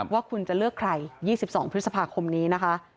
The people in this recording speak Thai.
ว่าคุณจะเลือกใคร๒๒พฤษภาคมนี้นะคะ